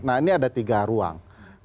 nah ini ada tiga ruang